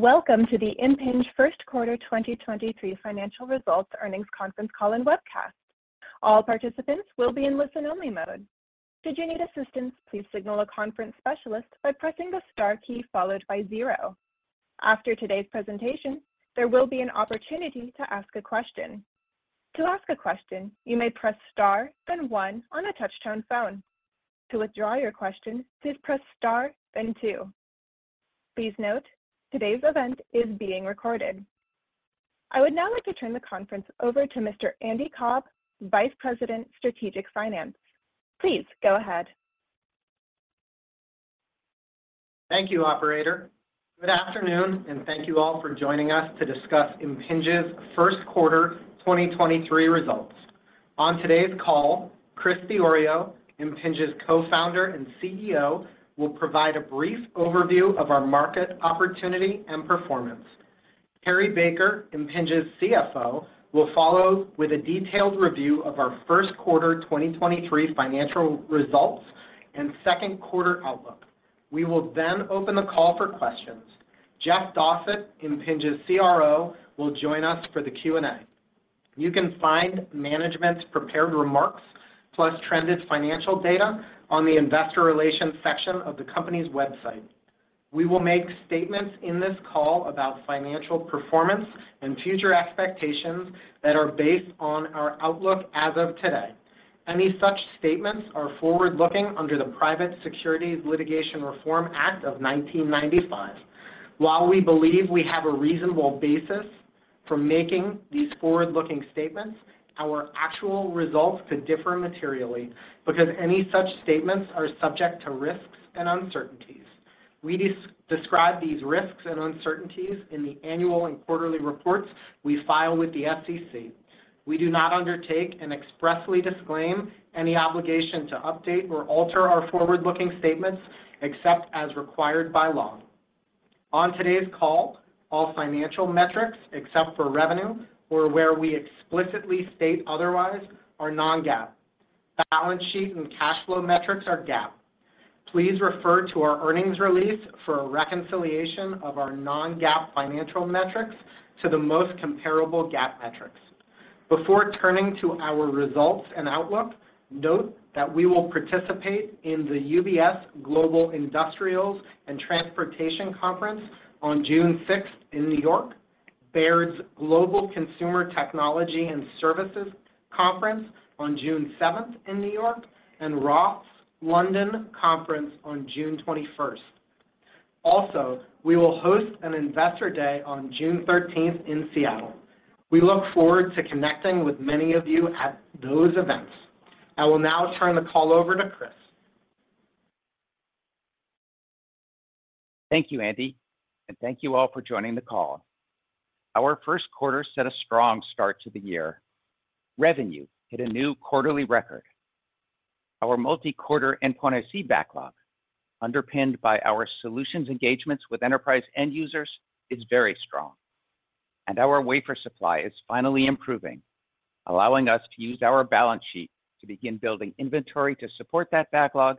Welcome to the Impinj First Quarter 2023 Financial Results Earnings Conference Call and Webcast. All participants will be in listen-only mode. Should you need assistance, please signal a conference specialist by pressing the star key followed by zero. After today's presentation, there will be an opportunity to ask a question. To ask a question, you may press star, then one on a touch-tone phone. To withdraw your question, please press star, then two. Please note, today's event is being recorded. I would now like to turn the conference over to Mr. Andy Cobb, Vice President, Strategic Finance. Please go ahead. Thank you, Operator. Good afternoon, thank you all for joining us to discuss Impinj's First Quarter 2023 Results. On today's call, Chris Diorio, Impinj's Co-Founder and CEO, will provide a brief overview of our market opportunity and performance. Cary Baker, Impinj's CFO, will follow with a detailed review of our first quarter 2023 financial results and second quarter outlook. We will open the call for questions. Jeff Dossett, Impinj's CRO, will join us for the Q&A. You can find management's prepared remarks plus trended financial data on the Investor Relations section of the company's website. We will make statements in this call about financial performance and future expectations that are based on our outlook as of today. Any such statements are forward-looking under the Private Securities Litigation Reform Act of 1995. While we believe we have a reasonable basis for making these forward-looking statements, our actual results could differ materially because any such statements are subject to risks and uncertainties. We describe these risks and uncertainties in the annual and quarterly reports we file with the SEC. We do not undertake and expressly disclaim any obligation to update or alter our forward-looking statements except as required by law. On today's call, all financial metrics, except for revenue or where we explicitly state otherwise, are non-GAAP. Balance sheet and cash flow metrics are GAAP. Please refer to our earnings release for a reconciliation of our non-GAAP financial metrics to the most comparable GAAP metrics. Before turning to our results and outlook, note that we will participate in the UBS Global Industrials and Transportation Conference on June 6th in New York, Baird's Global Consumer Technology and Services Conference on June 7th in New York, and Roth's London Conference on June 21st. We will host an Investor Day on June 13th in Seattle. We look forward to connecting with many of you at those events. I will now turn the call over to Chris. Thank you, Andy, and thank you all for joining the call. Our first quarter set a strong start to the year. Revenue hit a new quarterly record. Our multi-quarter endpoint IC backlog, underpinned by our solutions engagements with enterprise end users, is very strong. Our wafer supply is finally improving, allowing us to use our balance sheet to begin building inventory to support that backlog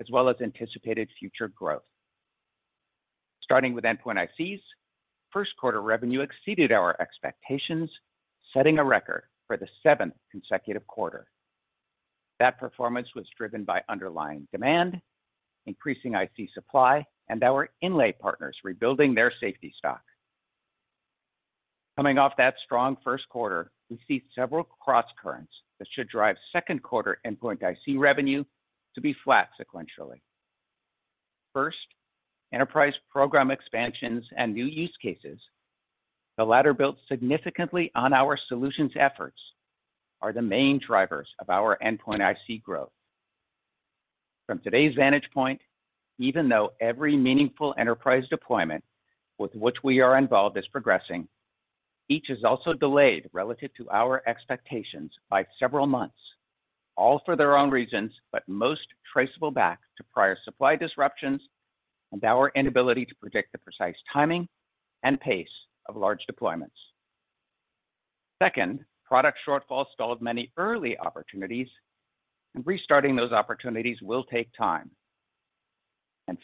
as well as anticipated future growth. Starting with endpoint ICs, first quarter revenue exceeded our expectations, setting a record for the seventh consecutive quarter. That performance was driven by underlying demand, increasing IC supply, and our inlay partners rebuilding their safety stock. Coming off that strong first quarter, we see several crosscurrents that should drive second quarter endpoint IC revenue to be flat sequentially. First, enterprise program expansions and new use cases, the latter built significantly on our solutions efforts, are the main drivers of our endpoint IC growth. From today's vantage point, even though every meaningful enterprise deployment with which we are involved is progressing, each is also delayed relative to our expectations by several months, all for their own reasons, but most traceable back to prior supply disruptions and our inability to predict the precise timing and pace of large deployments. Second, product shortfalls stalled many early opportunities, and restarting those opportunities will take time.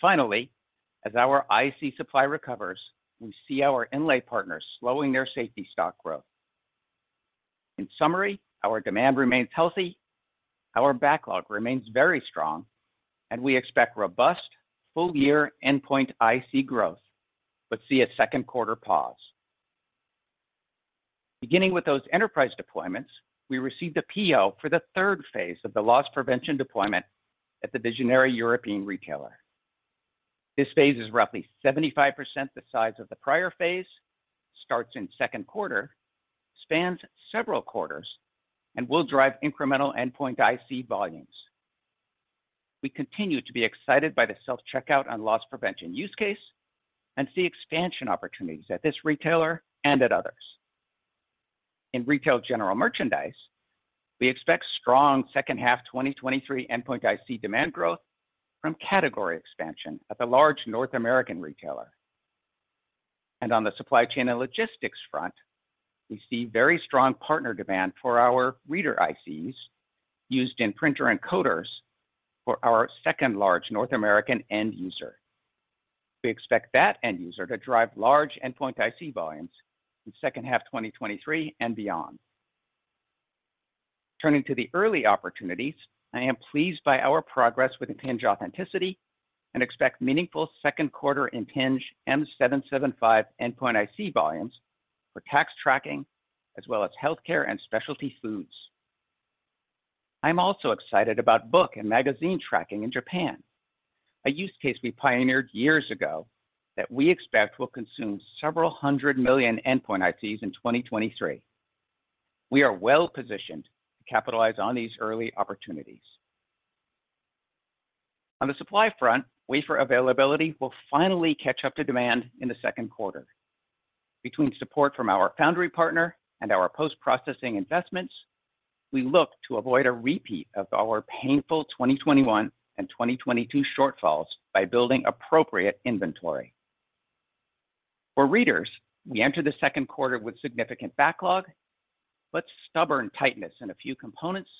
Finally, as our IC supply recovers, we see our inlay partners slowing their safety stock growth. In summary, our demand remains healthy, our backlog remains very strong, and we expect robust full-year endpoint IC growth, but see a second quarter pause. Beginning with those enterprise deployments, we received a PO for the third phase of the loss prevention deployment at the visionary European retailer. This phase is roughly 75% the size of the prior phase, starts in second quarter, spans several quarters, and will drive incremental endpoint IC volumes. We continue to be excited by the self-checkout and loss prevention use case and see expansion opportunities at this retailer and at others. In retail general merchandise, we expect strong second half 2023 endpoint IC demand growth from category expansion at the large North American retailer. On the supply chain and logistics front, we see very strong partner demand for our reader ICs used in printer-encoders. For our second large North American end user, we expect that end user to drive large endpoint IC volumes in second half 2023 and beyond. Turning to the early opportunities, I am pleased by our progress with Impinj Authenticity and expect meaningful second quarter Impinj M775 endpoint IC volumes for tax tracking as well as healthcare and specialty foods. I'm also excited about book and magazine tracking in Japan, a use case we pioneered years ago that we expect will consume several hundred million endpoint ICs in 2023. We are well-positioned to capitalize on these early opportunities. On the supply front, wafer availability will finally catch up to demand in the second quarter. Between support from our foundry partner and our post-processing investments, we look to avoid a repeat of our painful 2021 and 2022 shortfalls by building appropriate inventory. For readers, we enter the second quarter with significant backlog, but stubborn tightness in a few components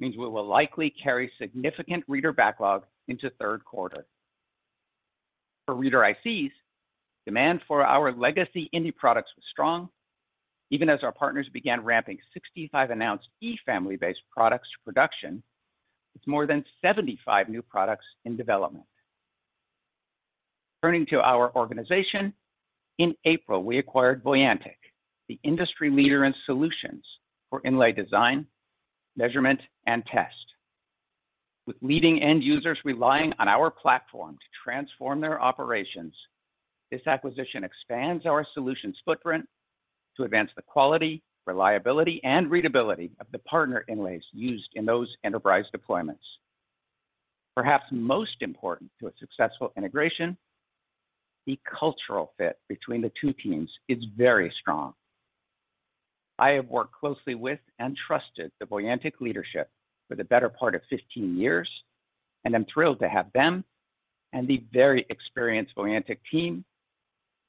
means we will likely carry significant reader backlog into third quarter. For reader ICs, demand for our legacy Indy products was strong even as our partners began ramping 65 announced E-Family based products to production, with more than 75 new products in development. Turning to our organization, in April, we acquired Voyantic, the industry leader in solutions for inlay design, measurement, and test. With leading end users relying on our platform to transform their operations, this acquisition expands our solutions footprint to advance the quality, reliability, and readability of the partner inlays used in those enterprise deployments. Perhaps most important to a successful integration, the cultural fit between the two teams is very strong. I have worked closely with and trusted the Voyantic leadership for the better part of 15 years, and I'm thrilled to have them and the very experienced Voyantic team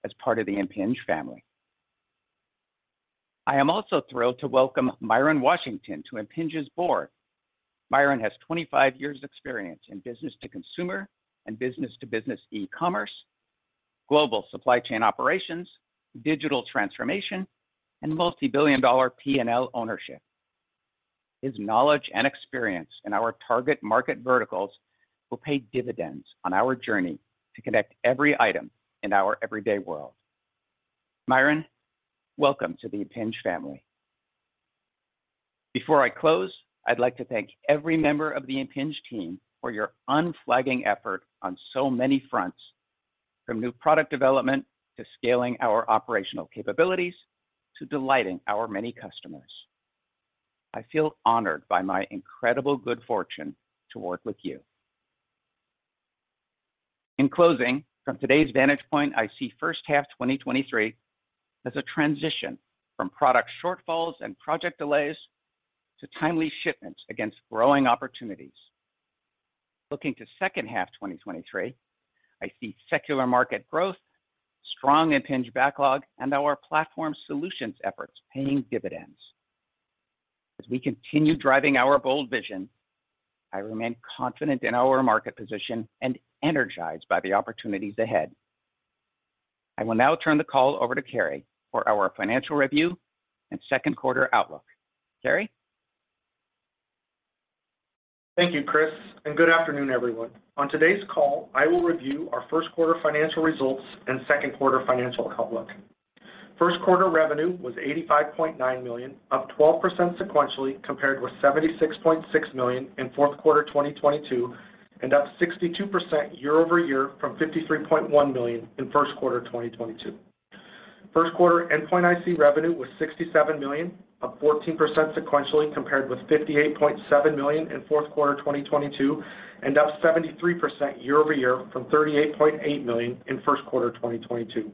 as part of the Impinj family. I am also thrilled to welcome Miron Washington to Impinj's board. Miron has 25 years experience in business-to-consumer and business-to-business e-commerce, global supply chain operations, digital transformation, and multi-billion dollar P&L ownership. His knowledge and experience in our target market verticals will pay dividends on our journey to connect every item in our everyday world. Miron, welcome to the Impinj family. Before I close, I'd like to thank every member of the Impinj team for your unflagging effort on so many fronts, from new product development to scaling our operational capabilities to delighting our many customers. I feel honored by my incredible good fortune to work with you. In closing, from today's vantage point, I see first half 2023 as a transition from product shortfalls and project delays to timely shipments against growing opportunities. Looking to second half 2023, I see secular market growth, strong Impinj backlog, and our platform solutions efforts paying dividends. As we continue driving our bold vision, I remain confident in our market position and energized by the opportunities ahead. I will now turn the call over to Cary for our financial review and second quarter outlook. Cary? Thank you, Chris, and good afternoon, everyone. On today's call, I will review our first quarter financial results and second quarter financial outlook. First quarter revenue was $85.9 million, up 12% sequentially compared with $76.6 million in fourth quarter 2022, and up 62% year-over-year from $53.1 million in first quarter 2022. First quarter endpoint IC revenue was $67 million, up 14% sequentially compared with $58.7 million in fourth quarter 2022, and up 73% year-over-year from $38.8 million in first quarter 2022.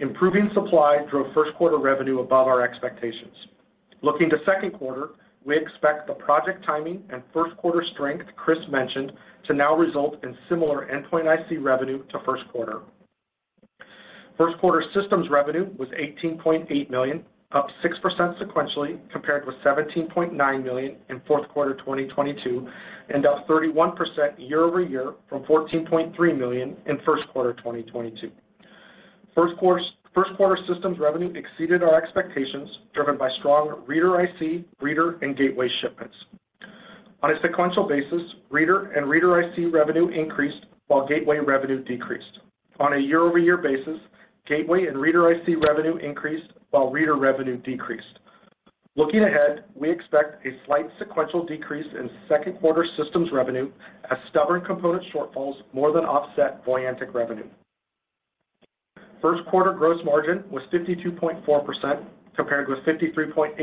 Improving supply drove first quarter revenue above our expectations. Looking to second quarter, we expect the project timing and first quarter strength Chris mentioned to now result in similar endpoint IC revenue to first quarter. First quarter systems revenue was $18.8 million, up 6% sequentially compared with $17.9 million in fourth quarter 2022, and up 31% year-over-year from $14.3 million in first quarter 2022. First quarter systems revenue exceeded our expectations, driven by strong reader IC, reader, and gateway shipments. On a sequential basis, reader and reader IC revenue increased while gateway revenue decreased. On a year-over-year basis, gateway and reader IC revenue increased while reader revenue decreased. Looking ahead, we expect a slight sequential decrease in second quarter systems revenue as stubborn component shortfalls more than offset Voyantic revenue. First quarter gross margin was 52.4% compared with 53.8%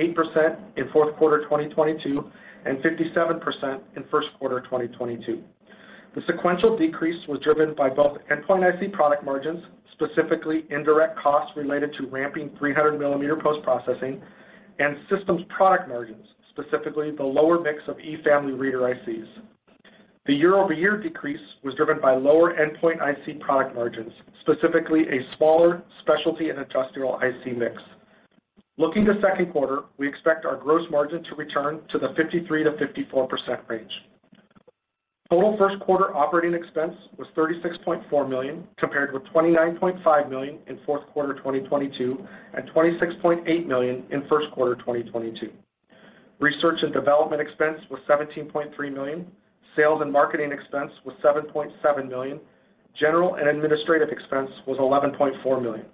in fourth quarter 2022, and 57% in first quarter 2022. The sequential decrease was driven by both endpoint IC product margins, specifically indirect costs related to ramping 300mm post-processing and systems product margins, specifically the lower mix of E-Family reader ICs. The year-over-year decrease was driven by lower endpoint IC product margins, specifically a smaller specialty and industrial IC mix. Looking to second quarter, we expect our gross margin to return to the 53%-54% range. Total first quarter operating expense was $36.4 million compared with $29.5 million in fourth quarter 2022, and $26.8 million in first quarter 2022. Research and development expense was $17.3 million. Sales and marketing expense was $7.7 million. General and administrative expense was $11.4 million.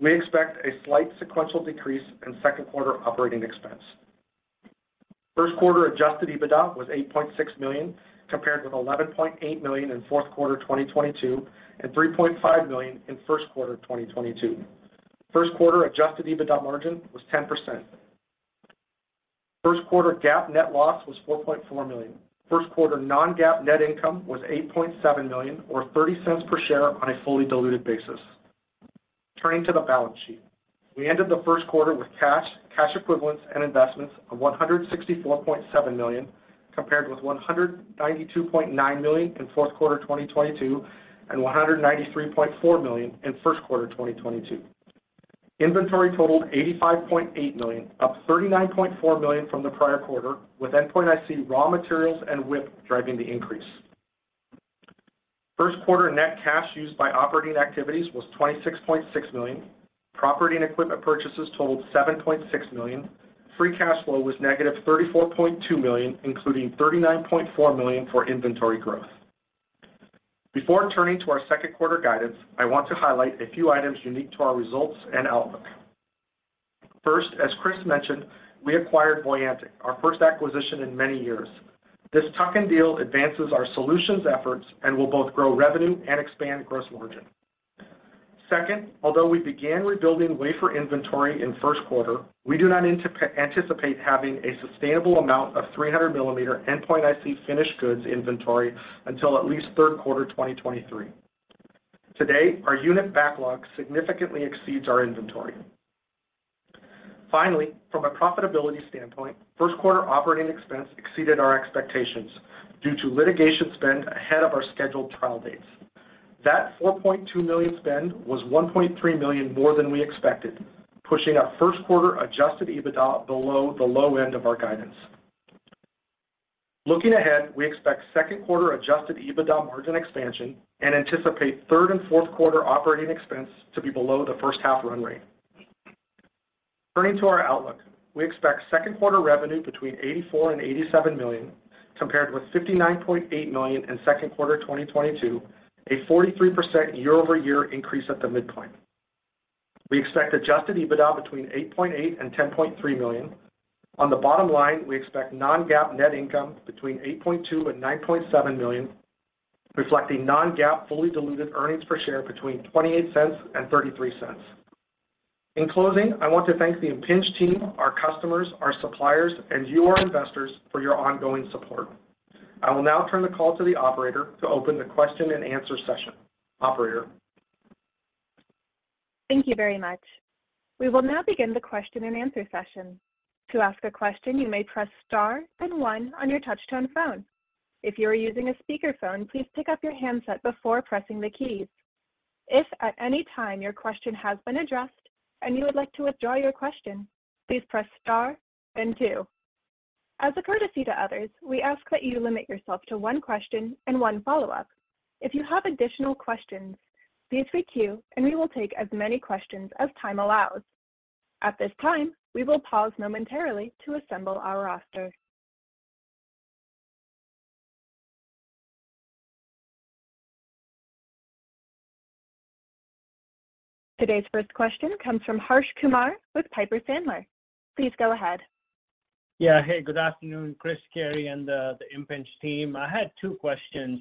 We expect a slight sequential decrease in second quarter operating expense. First quarter Adjusted EBITDA was $8.6 million, compared with $11.8 million in fourth quarter 2022, and $3.5 million in first quarter 2022. First quarter Adjusted EBITDA margin was 10%. First quarter GAAP net loss was $4.4 million. First quarter non-GAAP net income was $8.7 million, or $0.30 per share on a fully diluted basis. Turning to the balance sheet. We ended the first quarter with cash equivalents, and investments of $164.7 million, compared with $192.9 million in fourth quarter 2022, and $193.4 million in first quarter 2022. Inventory totaled $85.8 million, up $39.4 million from the prior quarter, with endpoint IC raw materials and WIP driving the increase. First quarter net cash used by operating activities was $26.6 million. Property and equipment purchases totaled $7.6 million. Free cash flow was negative $34.2 million, including $39.4 million for inventory growth. Before turning to our second quarter guidance, I want to highlight a few items unique to our results and outlook. First, as Chris mentioned, we acquired Voyantic, our first acquisition in many years. This tuck-in deal advances our solutions efforts and will both grow revenue and expand gross margin. Second, although we began rebuilding wafer inventory in first quarter, we do not anticipate having a sustainable amount of 300 mm Endpoint IC finished goods inventory until at least third quarter 2023. Today, our unit backlog significantly exceeds our inventory. Finally, from a profitability standpoint, first quarter operating expense exceeded our expectations due to litigation spend ahead of our scheduled trial dates. That $4.2 million spend was $1.3 million more than we expected, pushing our first quarter Adjusted EBITDA below the low end of our guidance. Looking ahead, we expect second quarter Adjusted EBITDA margin expansion and anticipate third and fourth quarter operating expense to be below the first half run rate. Turning to our outlook. We expect second quarter revenue between $84 million and $87 million, compared with $59.8 million in second quarter 2022, a 43% year-over-year increase at the midpoint. We expect Adjusted EBITDA between $8.8 million and $10.3 million. On the bottom line, we expect non-GAAP net income between $8.2 million and $9.7 million, reflecting non-GAAP fully diluted earnings per share between $0.28 and $0.33. In closing, I want to thank the Impinj team, our customers, our suppliers, and you, our investors for your ongoing support. I will now turn the call to the operator to open the question-and-answer session. Operator. Thank you very much. We will now begin the question-and-answer session. To ask a question, you may press star and one on your touch tone phone. If you are using a speaker phone, please pick up your handset before pressing the keys. If at any time your question has been addressed and you would like to withdraw your question, please press star then two. As a courtesy to others, we ask that you limit yourself to one question and one follow-up. If you have additional questions, please queue, and we will take as many questions as time allows. At this time, we will pause momentarily to assemble our roster. Today's first question comes from Harsh Kumar with Piper Sandler. Please go ahead. Yeah, hey, good afternoon, Chris, Cary, and the Impinj team. I had two questions.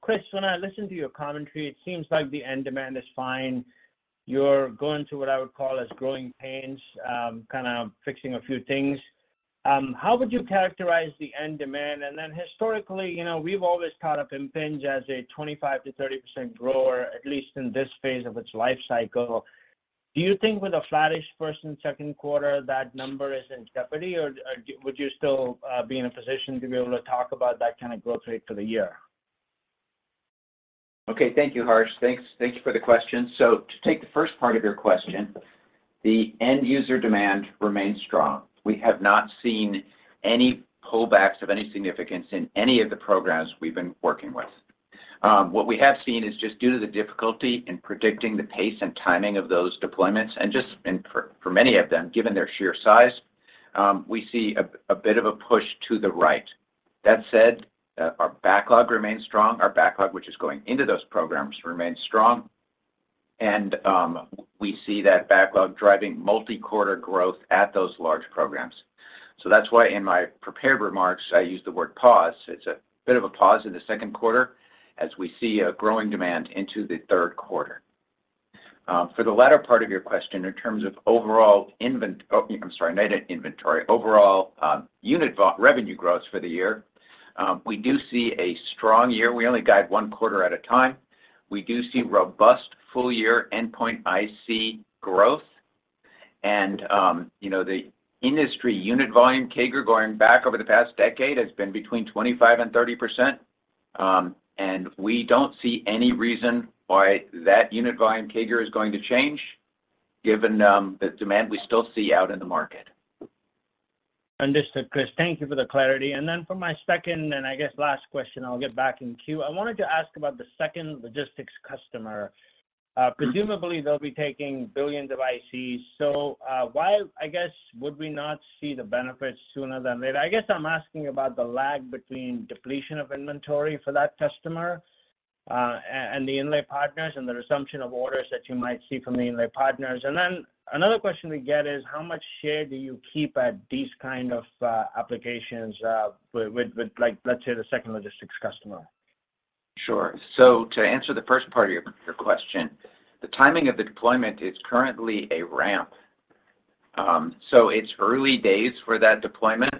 Chris, when I listen to your commentary, it seems like the end demand is fine. You're going through what I would call as growing pains, kinda fixing a few things. How would you characterize the end demand? Then historically, you know, we've always thought of Impinj as a 25%-30% grower, at least in this phase of its life cycle. Do you think with a flattish first and second quarter that number is in jeopardy, or would you still be in a position to be able to talk about that kinda growth rate for the year? Okay. Thank you, Harsh. Thank you for the question. To take the first part of your question, the end user demand remains strong. We have not seen any pullbacks of any significance in any of the programs we've been working with. What we have seen is just due to the difficulty in predicting the pace and timing of those deployments, and for many of them, given their sheer size, we see a bit of a push to the right. That said, our backlog remains strong. Our backlog, which is going into those programs, remains strong. We see that backlog driving multi-quarter growth at those large programs. That's why in my prepared remarks, I used the word pause. It's a bit of a pause in the second quarter as we see a growing demand into the third quarter. For the latter part of your question, in terms of overall. Oh, I'm sorry, not in inventory. Overall, unit revenue growth for the year, we do see a strong year. We only guide one quarter at a time. We do see robust full-year endpoint IC growth. You know, the industry unit volume CAGR going back over the past decade has been between 25% and 30%. We don't see any reason why that unit volume CAGR is going to change given the demand we still see out in the market. Understood, Chris. Thank you for the clarity. For my second, and I guess last question, I'll get back in queue. I wanted to ask about the second logistics customer. Mm-hmm ...presumably they'll be taking billions of ICs. Why, I guess, would we not see the benefits sooner than later? I guess I'm asking about the lag between depletion of inventory for that customer and the inlay partners and the resumption of orders that you might see from the inlay partners. Another question we get is, how much share do you keep at these kind of applications with, like, let's say, the second logistics customer? Sure. To answer the first part of your question, the timing of the deployment is currently a ramp. It's early days for that deployment,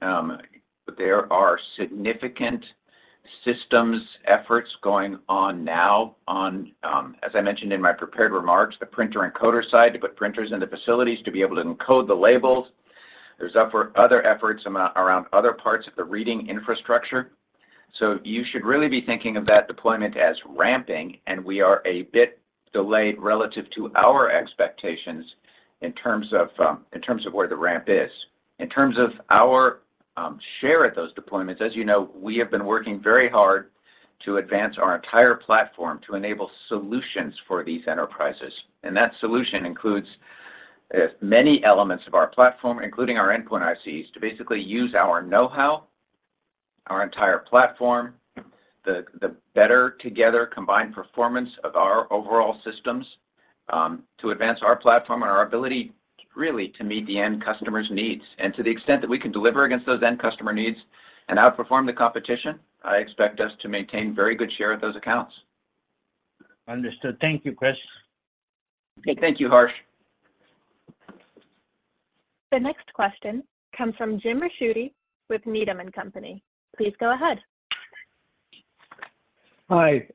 but there are significant systems efforts going on now on, as I mentioned in my prepared remarks, the printer-encoder side to put printers in the facilities to be able to encode the labels. There's other efforts around other parts of the reading infrastructure. You should really be thinking of that deployment as ramping, and we are a bit delayed relative to our expectations in terms of, in terms of where the ramp is. In terms of our share at those deployments, as you know, we have been working very hard to advance our entire platform to enable solutions for these enterprises. That solution includes many elements of our platform, including our endpoint ICs, to basically use our know-how, our entire platform, the better together combined performance of our overall systems, to advance our platform and our ability really to meet the end customer's needs. To the extent that we can deliver against those end customer needs and outperform the competition, I expect us to maintain very good share of those accounts. Understood. Thank you, Chris. Okay. Thank you, Harsh. The next question comes from Jim Ricchiuti with Needham & Company. Please go ahead. Hi.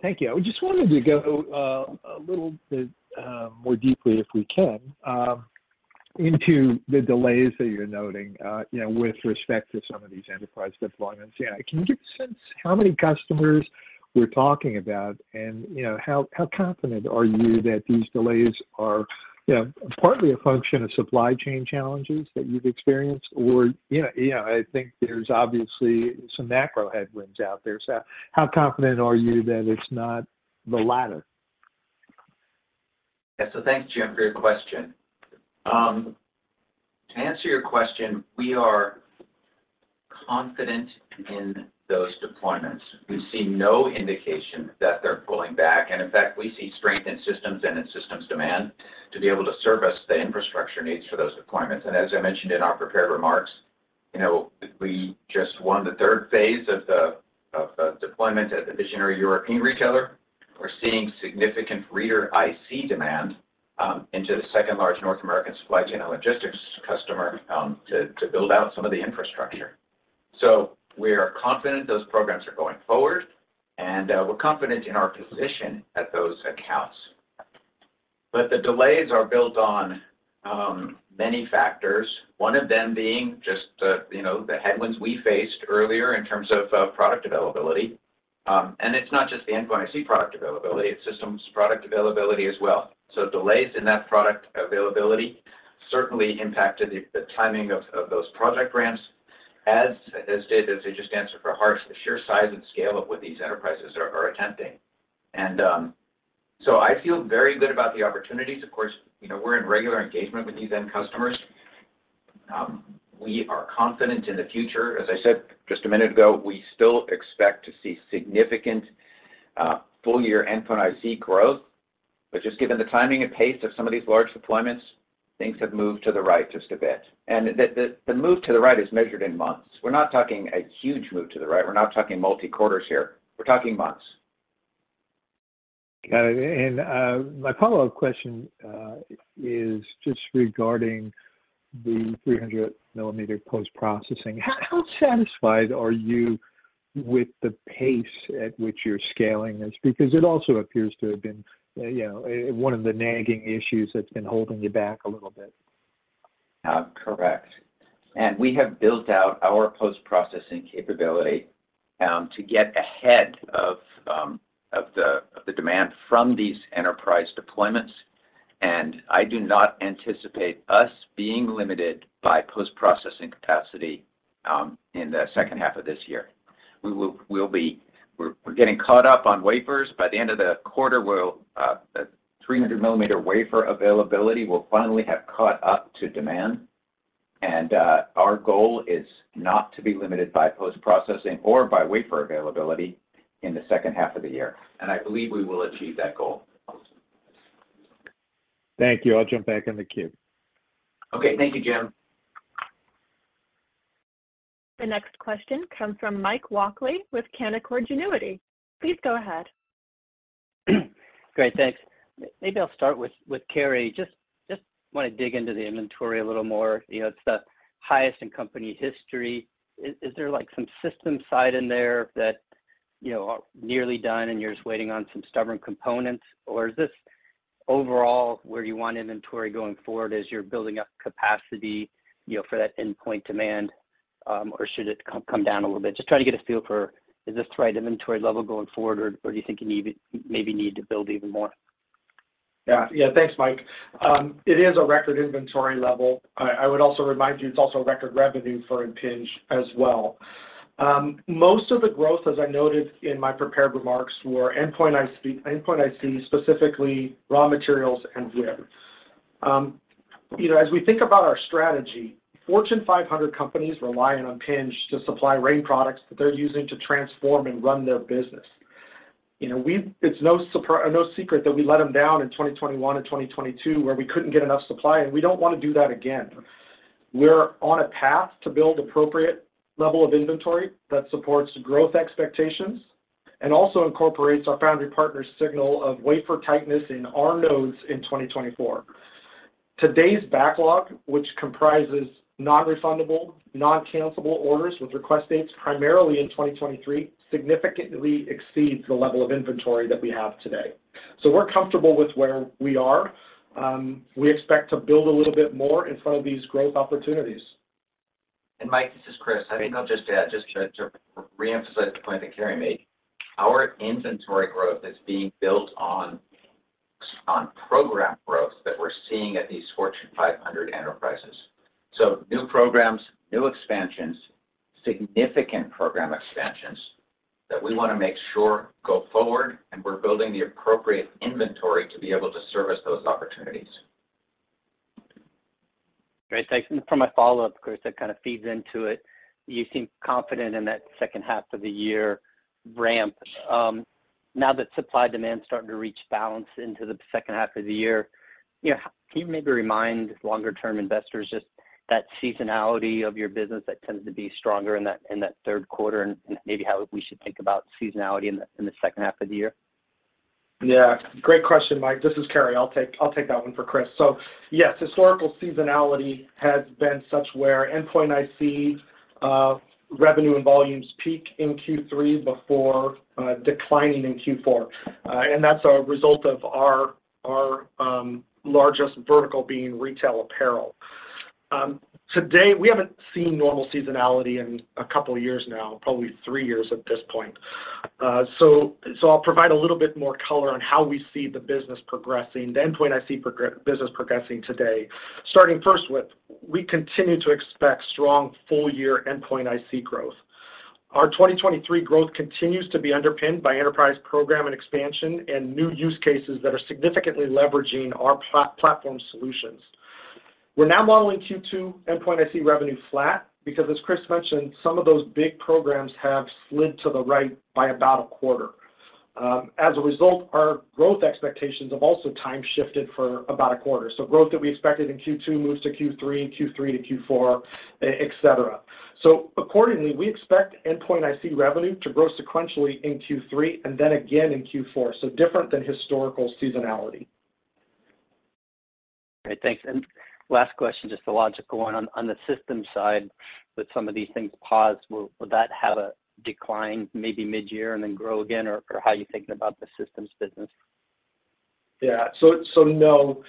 Thank you. I just wanted to go a little bit more deeply, if we can, into the delays that you're noting, you know, with respect to some of these enterprise deployments. Can you give a sense how many customers we're talking about? You know, how confident are you that these delays are, you know, partly a function of supply chain challenges that you've experienced? You know, I think there's obviously some macro headwinds out there. How confident are you that it's not the latter? Thanks, Jim, for your question. To answer your question, we are confident in those deployments. We see no indication that they're pulling back, and in fact, we see strength in systems and in systems demand to be able to service the infrastructure needs for those deployments. As I mentioned in our prepared remarks, you know, we just won the third phase of the deployment at the visionary European retailer. We're seeing significant reader IC demand into the second-largest North American supply chain and logistics customer, to build out some of the infrastructure. We are confident those programs are going forward, and we're confident in our position at those accounts. The delays are built on many factors, one of them being just the, you know, the headwinds we faced earlier in terms of product availability. It's not just the endpoint IC product availability, it's systems product availability as well. Delays in that product availability certainly impacted the timing of those project ramps, as did, as I just answered for Harsh, the sheer size and scale of what these enterprises are attempting. I feel very good about the opportunities. Of course, you know, we're in regular engagement with these end customers. We are confident in the future. As I said just a minute ago, we still expect to see significant full-year endpoint IC growth. Just given the timing and pace of some of these large deployments, things have moved to the right just a bit. The move to the right is measured in months. We're not talking a huge move to the right. We're not talking multi-quarters here. We're talking months. Got it. My follow-up question is just regarding the 300 mm post-processing. How satisfied are you with the pace at which you're scaling this? Because it also appears to have been, you know, one of the nagging issues that's been holding you back a little bit. Correct. We have built out our post-processing capability to get ahead of the demand from these enterprise deployments. I do not anticipate us being limited by post-processing capacity in the second half of this year. We're getting caught up on wafers. By the end of the quarter, we'll the 300 mm wafer availability will finally have caught up to demand. Our goal is not to be limited by post-processing or by wafer availability in the second half of the year. I believe we will achieve that goal. Thank you. I'll jump back in the queue. Okay. Thank you, Jim. The next question comes from Mike Walkley with Canaccord Genuity. Please go ahead. Great. Thanks. Maybe I'll start with Cary. Just wanna dig into the inventory a little more. You know, it's the highest in company history. Is there, like, some system side in there that, you know, are nearly done, and you're just waiting on some stubborn components? Is this overall where you want inventory going forward as you're building up capacity, you know, for that endpoint demand, or should it come down a little bit? Just trying to get a feel for is this the right inventory level going forward or do you think you maybe need to build even more? Yeah. Yeah. Thanks, Mike. It is a record inventory level. I would also remind you it's also a record revenue for Impinj as well. Most of the growth, as I noted in my prepared remarks, were endpoint IC, specifically raw materials and WIP. You know, as we think about our strategy, Fortune 500 companies rely on Impinj to supply RAIN products that they're using to transform and run their business. You know, it's no secret that we let them down in 2021 and 2022, where we couldn't get enough supply, and we don't wanna do that again. We're on a path to build appropriate level of inventory that supports growth expectations and also incorporates our foundry partner signal of wafer tightness in our nodes in 2024. Today's backlog, which comprises non-refundable, non-cancellable orders with request dates primarily in 2023, significantly exceeds the level of inventory that we have today. We're comfortable with where we are. We expect to build a little bit more in front of these growth opportunities. Mike, this is Chris. I mean, I'll just add, just to reemphasize the point that Cary made, our inventory growth is being built on program growth that we're seeing at these Fortune 500 enterprises. New programs, new expansions, significant program expansions that we wanna make sure go forward, and we're building the appropriate inventory to be able to service those opportunities. Great. Thanks. For my follow-up, Chris, that kind of feeds into it. You seem confident in that second half of the year ramp. Now that supply demand's starting to reach balance into the second half of the year, you know, can you maybe remind longer term investors just that seasonality of your business that tends to be stronger in that third quarter and maybe how we should think about seasonality in the, in the second half of the year? Yeah, great question, Mike. This is Cary. I'll take that one for Chris. Yes, historical seasonality has been such where endpoint IC revenue and volumes peak in Q3 before declining in Q4. That's a result of our largest vertical being retail apparel. Today, we haven't seen normal seasonality in a couple years now, probably three years at this point. I'll provide a little bit more color on how we see the business progressing, the endpoint IC business progressing today, starting first with we continue to expect strong full year endpoint IC growth. Our 2023 growth continues to be underpinned by enterprise program and expansion and new use cases that are significantly leveraging our platform solutions. We're now modeling Q2 endpoint IC revenue flat because as Chris mentioned, some of those big programs have slid to the right by about a quarter. As a result, our growth expectations have also time shifted for about a quarter. Growth that we expected in Q2 moves to Q3, and Q3-Q4, et cetera. Accordingly, we expect endpoint IC revenue to grow sequentially in Q3 and then again in Q4, so different than historical seasonality. Great. Thanks. Last question, just a logical one. On the systems side, with some of these things paused, will that have a decline maybe mid-year and then grow again? How are you thinking about the systems business? No.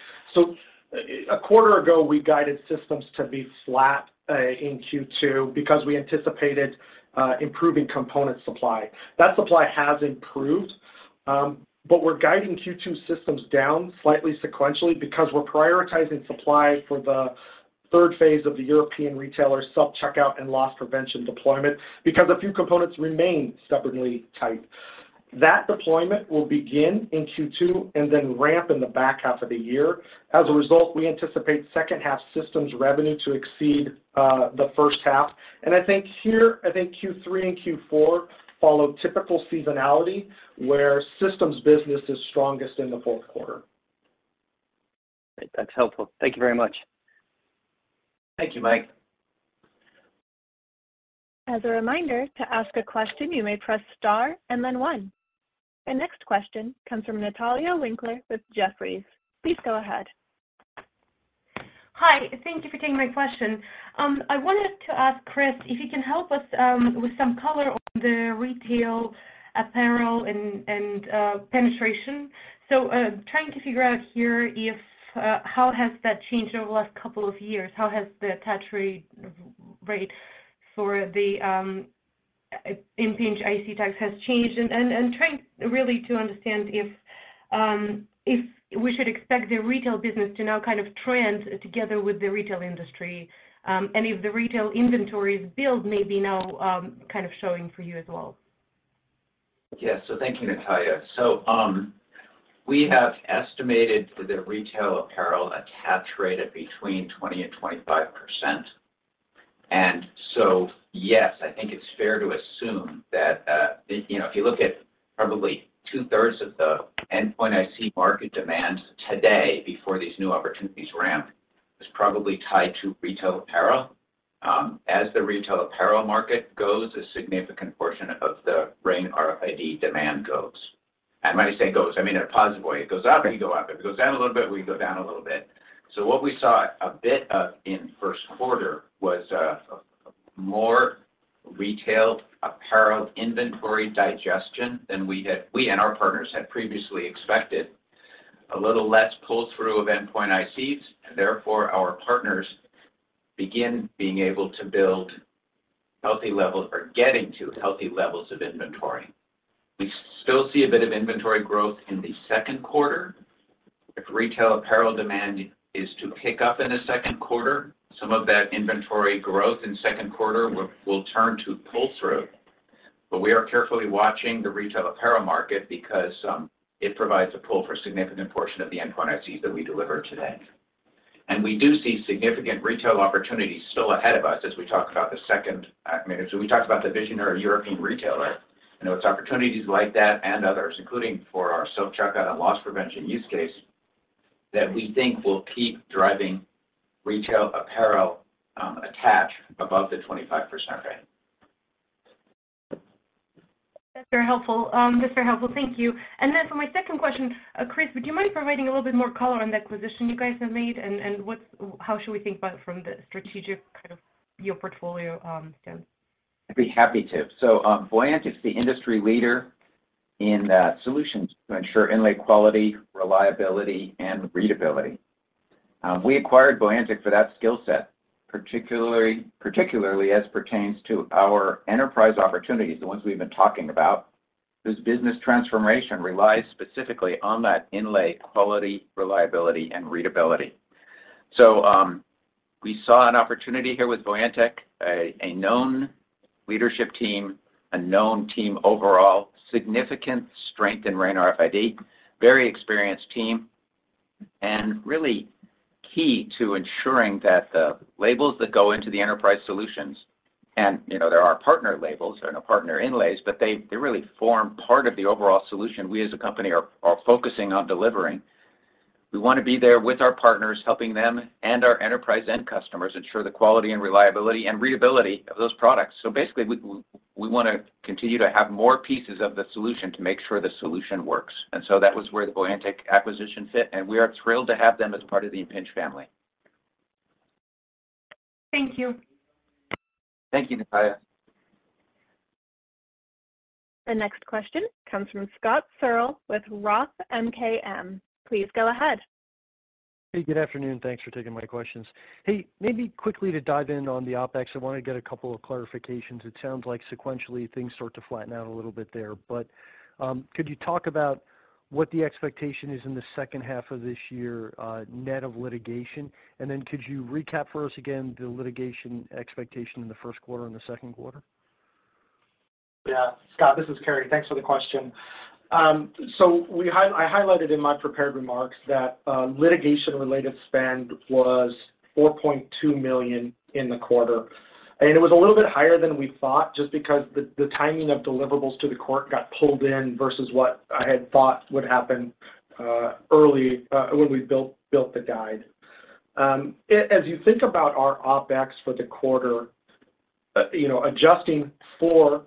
A quarter ago, we guided systems to be flat in Q2 because we anticipated improving component supply. That supply has improved, but we're guiding Q2 systems down slightly sequentially because we're prioritizing supply for the third phase of the European retailer self-checkout and loss prevention deployment because a few components remain stubbornly tight. That deployment will begin in Q2 and then ramp in the back half of the year. As a result, we anticipate second half systems revenue to exceed the first half. I think here, I think Q3 and Q4 follow typical seasonality where systems business is strongest in the fourth quarter. That's helpful. Thank you very much. Thank you, Mike. As a reminder, to ask a question, you may press star and then one. The next question comes from Natalia Winkler with Jefferies. Please go ahead. Hi. Thank you for taking my question. I wanted to ask Chris if you can help us with some color on the retail apparel and penetration. Trying to figure out here if how has that changed over the last couple of years. How has the attach rate for the Impinj IC tags has changed? Trying really to understand if we should expect the retail business to now kind of trend together with the retail industry. If the retail inventory's build may be now kind of showing for you as well. Thank you, Natalia. We have estimated the retail apparel attach rate at between 20% and 25%. Yes, I think it's fair to assume that, you know, if you look at probably 2/3 of the endpoint IC market demand today before these new opportunities ramp, is probably tied to retail apparel. As the retail apparel market goes, a significant portion of the RAIN RFID demand goes. When I say goes, I mean in a positive way. It goes up, we go up. It goes down a little bit, we go down a little bit. What we saw a bit of in first quarter was more retail apparel inventory digestion than we and our partners had previously expected. A little less pull-through of endpoint ICs, therefore, our partners begin being able to build healthy levels or getting to healthy levels of inventory. We still see a bit of inventory growth in the second quarter. If retail apparel demand is to pick up in the second quarter, some of that inventory growth in second quarter will turn to pull-through. We are carefully watching the retail apparel market because it provides a pull for a significant portion of the endpoint ICs that we deliver today. We do see significant retail opportunities still ahead of us as we talk about the second act. I mean, as we talked about the visionary European retailer, and it's opportunities like that and others, including for our self-checkout and loss prevention use case, that we think will keep driving retail apparel attach above the 25% rate. That's very helpful. That's very helpful. Thank you. For my second question, Chris, would you mind providing a little bit more color on the acquisition you guys have made and how should we think about it from the strategic kind of your portfolio, stance? I'd be happy to. Voyantic is the industry leader in solutions to ensure inlay quality, reliability, and readability. We acquired Voyantic for that skill set, particularly as it pertains to our enterprise opportunities, the ones we've been talking about. This business transformation relies specifically on that inlay quality, reliability, and readability. We saw an opportunity here with Voyantic, a known leadership team, a known team overall, significant strength in RAIN RFID, very experienced team, and really key to ensuring that the labels that go into the enterprise solutions and, you know, there are partner labels and partner inlays, but they really form part of the overall solution we as a company are focusing on delivering. We want to be there with our partners, helping them and our enterprise end customers ensure the quality and reliability and readability of those products. Basically, we wanna continue to have more pieces of the solution to make sure the solution works. That was where the Voyantic acquisition fit, and we are thrilled to have them as part of the Impinj family. Thank you. Thank you, Natalia. The next question comes from Scott Searle with Roth MKM. Please go ahead. Good afternoon. Thanks for taking my questions. Maybe quickly to dive in on the OpEx, I want to get a couple of clarifications. It sounds like sequentially, things start to flatten out a little bit there. Could you talk about what the expectation is in the second half of this year, net of litigation? Could you recap for us again the litigation expectation in the first quarter and the second quarter? Scott, this is Cary. Thanks for the question. I highlighted in my prepared remarks that litigation-related spend was $4.2 million in the quarter. It was a little bit higher than we thought, just because the timing of deliverables to the court got pulled in versus what I had thought would happen early when we built the guide. As you think about our OpEx for the quarter, you know, adjusting for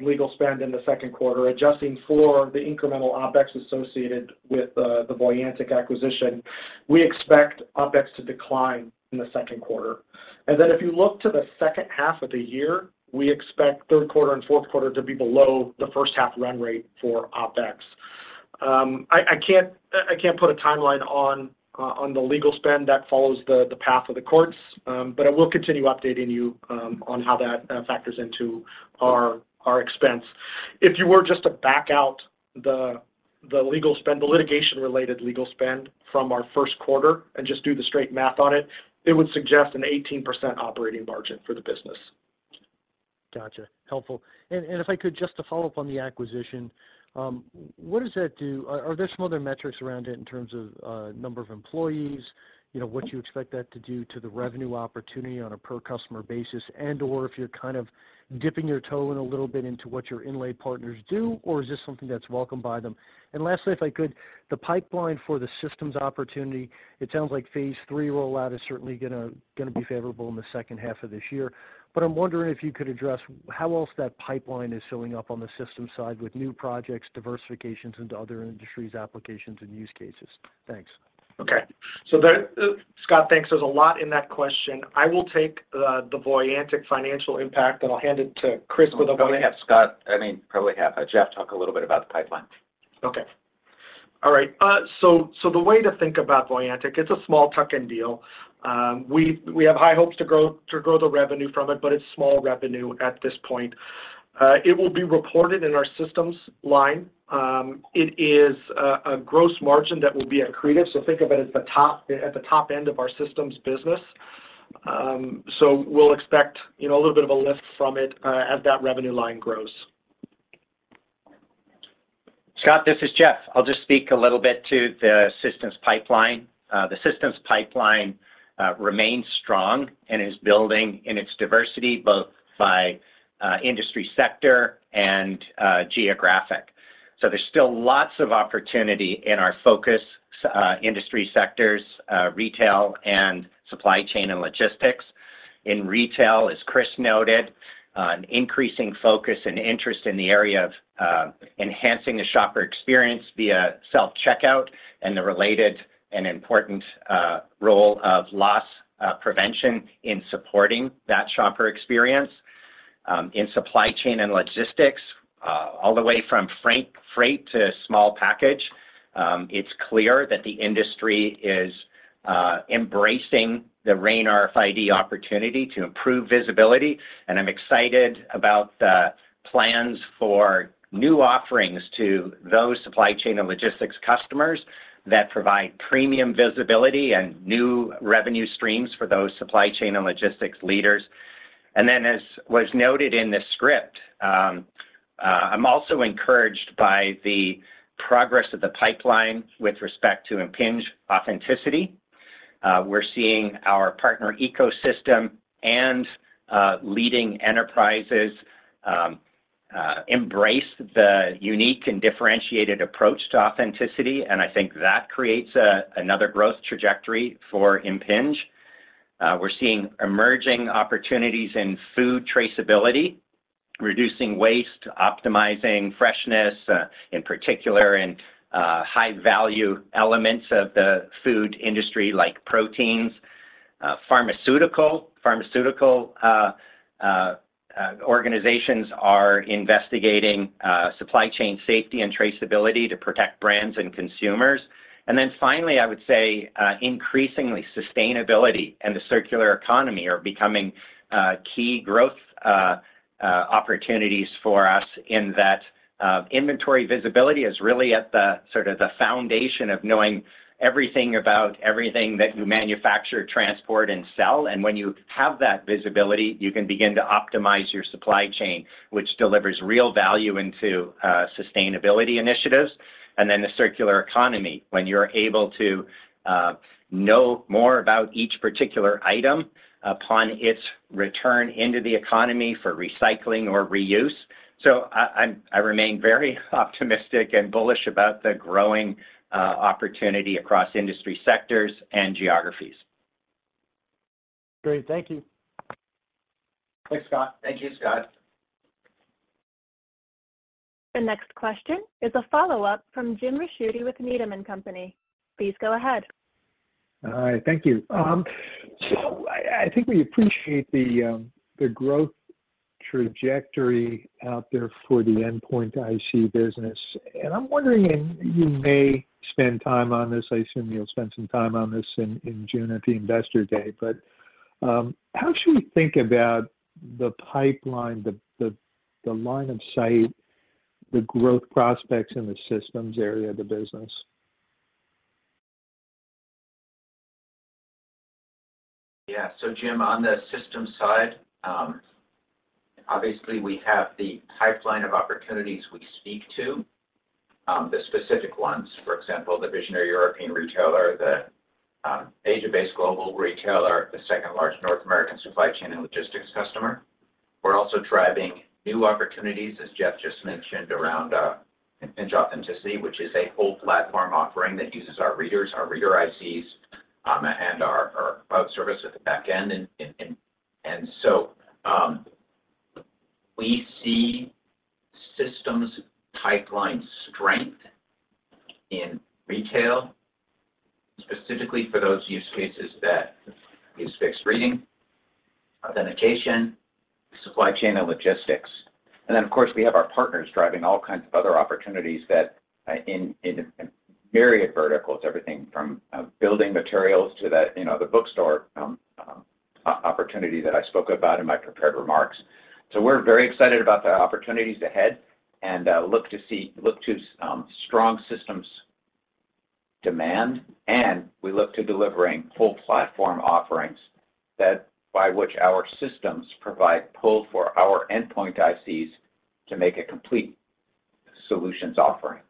legal spend in the second quarter, adjusting for the incremental OpEx associated with the Voyantic acquisition, we expect OpEx to decline in the second quarter. Then if you look to the second half of the year, we expect third quarter and fourth quarter to be below the first half run rate for OpEx. I can't, I can't put a timeline on the legal spend that follows the path of the courts, but I will continue updating you on how that factors into our expense. If you were just to back out the legal spend, the litigation-related legal spend from our first quarter and just do the straight math on it would suggest an 18% operating margin for the business. Gotcha. Helpful. If I could just to follow up on the acquisition, what does that do? Are there some other metrics around it in terms of number of employees? You know, what do you expect that to do to the revenue opportunity on a per customer basis, and/or if you're kind of dipping your toe in a little bit into what your inlay partners do, or is this something that's welcomed by them? Lastly, if I could, the pipeline for the systems opportunity, it sounds like phase III rollout is certainly gonna be favorable in the second half of this year. I'm wondering if you could address how else that pipeline is filling up on the system side with new projects, diversifications into other industries, applications, and use cases. Thanks. Okay. There, Scott, thanks. There's a lot in that question. I will take the Voyantic financial impact, and I'll hand it to Chris. Scott, I think probably have Jeff talk a little bit about the pipeline. Okay. All right. The way to think about Voyantic, it's a small tuck-in deal. We have high hopes to grow the revenue from it, but it's small revenue at this point. It will be reported in our systems line. It is a gross margin that will be accretive. Think of it as at the top end of our systems business. We'll expect, you know, a little bit of a lift from it as that revenue line grows. Scott, this is Jeff. I'll just speak a little bit to the systems pipeline. The systems pipeline remains strong and is building in its diversity, both by industry sector and geographic. There's still lots of opportunity in our focus industry sectors, retail and supply chain and logistics. In retail, as Chris noted an increasing focus and interest in the area of enhancing the shopper experience via self-checkout and the related and important role of loss prevention in supporting that shopper experience. In supply chain and logistics, all the way from freight to small package, it's clear that the industry is embracing the RAIN RFID opportunity to improve visibility. I'm excited about the plans for new offerings to those supply chain and logistics customers that provide premium visibility and new revenue streams for those supply chain and logistics leaders. As was noted in the script, I'm also encouraged by the progress of the pipeline with respect to Impinj Authenticity. We're seeing our partner ecosystem and leading enterprises embrace the unique and differentiated approach to authenticity, and I think that creates another growth trajectory for Impinj. We're seeing emerging opportunities in food traceability, reducing waste, optimizing freshness, in particular in high value elements of the food industry like proteins. Pharmaceutical organizations are investigating supply chain safety and traceability to protect brands and consumers. Finally, I would say, increasingly, sustainability and the circular economy are becoming key growth opportunities for us in that inventory visibility is really at the sort of the foundation of knowing everything about everything that you manufacture, transport, and sell. When you have that visibility, you can begin to optimize your supply chain, which delivers real value into sustainability initiatives. The circular economy, when you're able to know more about each particular item upon its return into the economy for recycling or reuse. I remain very optimistic and bullish about the growing opportunity across industry sectors and geographies. Great. Thank you. Thanks, Scott. Thank you, Scott. The next question is a follow-up from Jim Ricchiuti with Needham & Company. Please go ahead. All right. Thank you. I think we appreciate the growth trajectory out there for the endpoint IC business. I'm wondering, and you may spend time on this, I assume you'll spend some time on this in June at the Investor Day. How should we think about the pipeline, the line of sight, the growth prospects in the systems area of the business? Yeah. Jim, on the systems side, obviously, we have the pipeline of opportunities we speak to, the specific ones, for example, the visionary European retailer, the Asia-based global retailer, the second largest North American supply chain and logistics customer. We're also driving new opportunities, as Jeff just mentioned, around Impinj Authenticity, which is a whole platform offering that uses our readers, our reader ICs, and our cloud service at the back end. We see systems pipeline strength in retail, specifically for those use cases that use fixed reading, authentication, supply chain and logistics. Of course, we have our partners driving all kinds of other opportunities that in myriad verticals, everything from building materials to the, you know, the bookstore opportunity that I spoke about in my prepared remarks. We're very excited about the opportunities ahead and, look to strong systems demand, and we look to delivering full platform offerings that, by which our systems provide pull for our endpoint ICs to make a complete solutions offering.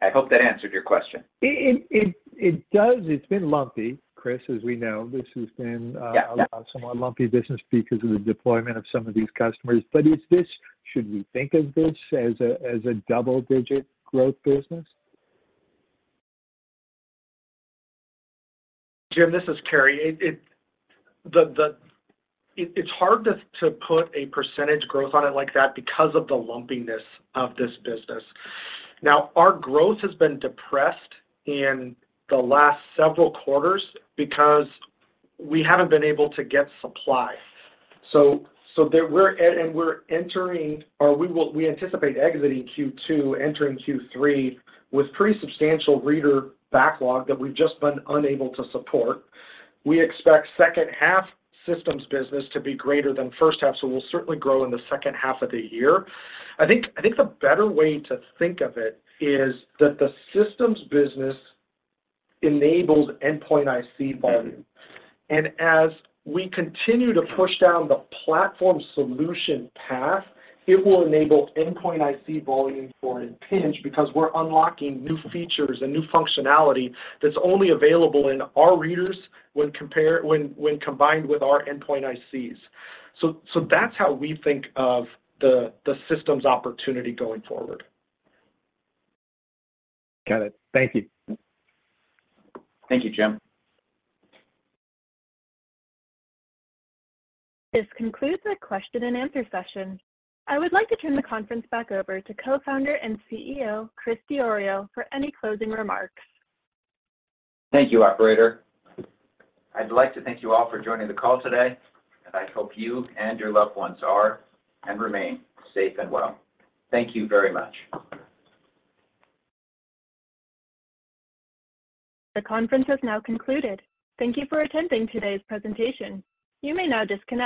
I hope that answered your question. It does. It's been lumpy, Chris, as we know, this has been. Yeah. a somewhat lumpy business because of the deployment of some of these customers. Should we think of this as a double-digit growth business? Jim, this is Cary. It's hard to put a % growth on it like that because of the lumpiness of this business. Now, our growth has been depressed in the last several quarters because we haven't been able to get supply. We're entering or we anticipate exiting Q2, entering Q3 with pretty substantial reader backlog that we've just been unable to support. We expect second half systems business to be greater than first half. We'll certainly grow in the second half of the year. I think the better way to think of it is that the systems business enables endpoint IC volume. As we continue to push down the platform solution path, it will enable endpoint IC volume for Impinj because we're unlocking new features and new functionality that's only available in our readers when combined with our endpoint ICs. That's how we think of the systems opportunity going forward. Got it. Thank you. Thank you, Jim. This concludes the question-and-answer session. I would like to turn the conference back over to Co-Founder and CEO, Chris Diorio, for any closing remarks. Thank you, Operator. I'd like to thank you all for joining the call today. I hope you and your loved ones are, and remain safe and well. Thank you very much. The conference has now concluded. Thank you for attending today's presentation. You may now disconnect.